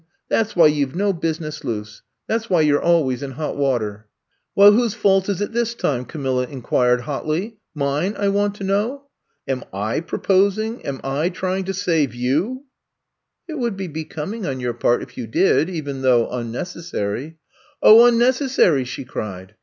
That 's why you 've no busi ness loose. That 's why you 're always in hot water. '' Well, whose fault is it this time!" Ca milla inquired hotly. Mine, I want to know! Am / proposing, am I trying to save youf *'It would be becoming on your part if you did — even though unnecessary. '' 0h, xmnecessary, " she cried.